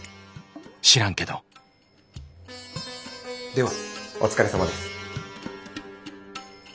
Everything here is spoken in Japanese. ではお疲れさまです。